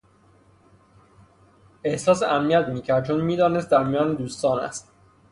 احساس امنیت میکرد چون میدانست در میان دوستان است.